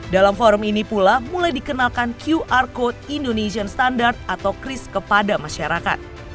dalam forum ini pula mulai dikenalkan qr code indonesian standard atau kris kepada masyarakat